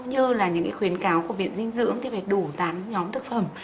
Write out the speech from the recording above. như là những khuyến cáo của viện dinh dưỡng thì phải đủ tám nhóm thực phẩm